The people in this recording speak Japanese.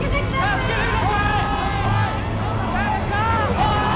・助けてください！